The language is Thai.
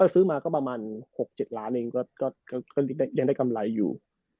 ซื้อมาก็ประมาณ๖๗ล้านเองก็ยังได้กำไรอยู่